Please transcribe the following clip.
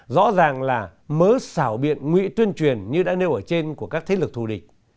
rõ ràng là mớ xảo biện nguyện tuyên truyền như đã nêu ở trên của các thế lực thù địch